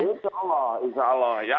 insya allah insya allah ya